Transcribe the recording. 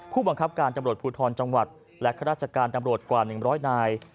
ผู้บังคับการตำรวจภูทรจังหวัดและข้าราชการตำรวจกว่า๑๐๐นาย